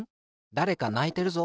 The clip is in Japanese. だれかないてるぞ。